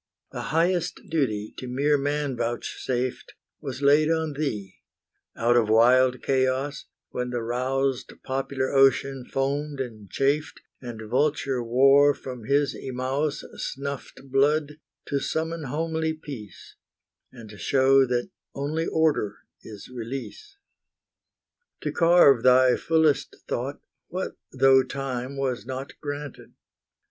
The highest duty to mere man vouchsafed Was laid on thee, out of wild chaos, When the roused popular ocean foamed and chafed, And vulture War from his Imaus Snuffed blood, to summon homely Peace, And show that only order is release. To carve thy fullest thought, what though Time was not granted?